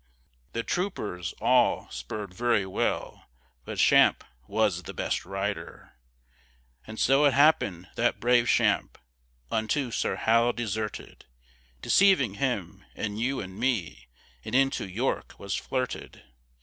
The troopers, all, spurred very well, But Champe was the best rider! And so it happen'd that brave Champe Unto Sir Hal deserted, Deceiving him, and you, and me, And into York was flirted.